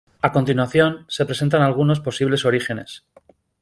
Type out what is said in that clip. A continuación, se presentan algunos posibles orígenes.